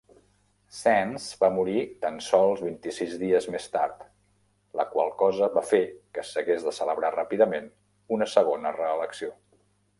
Sands va morir tan sols vint-i-sis dies més tard, la qual cosa va fer que s'hagués de celebrar ràpidament una segona reelecció.